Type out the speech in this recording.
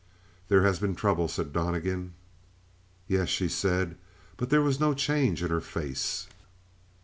"There has been trouble," said Donnegan. "Yes?" she said, but there was no change in her face.